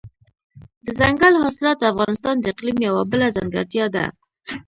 دځنګل حاصلات د افغانستان د اقلیم یوه بله ځانګړتیا ده.